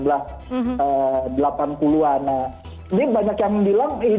jadi banyak yang bilang